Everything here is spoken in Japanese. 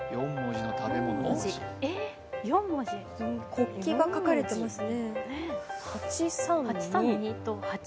国旗が描かれていますね。